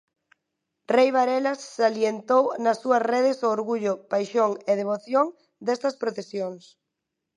Rei Varela salientou nas súas redes o orgullo, paixón e devoción destas procesións.